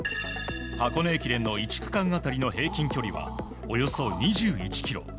箱根駅伝の１区間当たりの平均距離は、およそ２１ｋｍ。